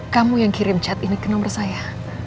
kamu yang kirim chat ini ke nomor saya